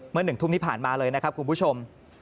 เมื่อ๑ทุ่มที่ผ่านมาเลยนะครับกลุ่มผู้ชม